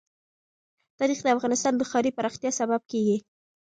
تاریخ د افغانستان د ښاري پراختیا سبب کېږي.